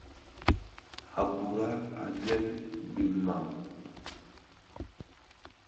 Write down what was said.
A bùrà, a dyèn dì mang.